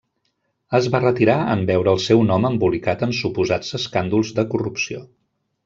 Es va retirar en veure el seu nom embolicat en suposats escàndols de corrupció.